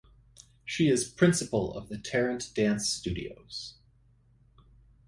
She is principal of the Tarrant Dance Studios.